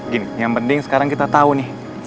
gini yang penting sekarang kita tahu nih